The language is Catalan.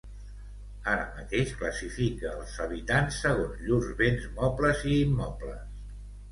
Ara mateix classifique els habitants segons llurs béns mobles i immobles.